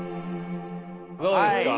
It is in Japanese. どうですか？